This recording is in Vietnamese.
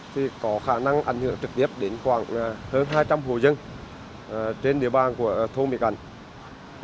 thì có khả năng ảnh hưởng trực tiếp đến khoảng hơn hai trăm linh hồ dân trên địa bàn của thôn mỹ cảnh